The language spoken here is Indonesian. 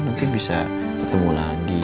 nanti bisa ketemu lagi